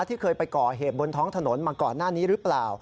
ที่เคยไปก่อเหตุบนท้องถนนมาก่อนหน้านี้หรือเปล่า